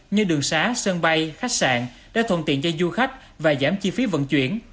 như đường xá sân bay khách sạn để thuận tiện cho du khách và giảm chi phí vận chuyển